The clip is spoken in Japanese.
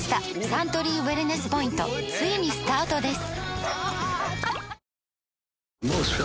サントリーウエルネスポイントついにスタートです！